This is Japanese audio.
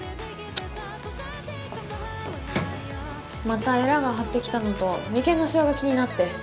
またエラが張ってきたのと眉間のしわが気になって。